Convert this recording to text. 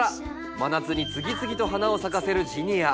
真夏に次々と花を咲かせるジニア。